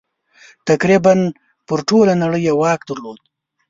تقریباً پر ټوله نړۍ یې واک درلود.